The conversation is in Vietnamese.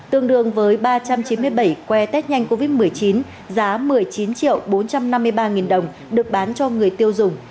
tương đương với ba trăm chín mươi bảy que test nhanh covid một mươi chín giá một mươi chín triệu bốn trăm năm mươi ba nghìn đồng được bán cho người tiêu dùng